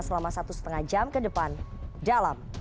selama satu lima jam ke depan dalam